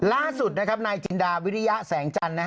ล่าสุดนะครับนายจินดาวิริยาแสงจันทร์นะฮะ